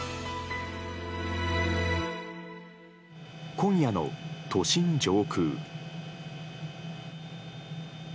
今夜の都心上空。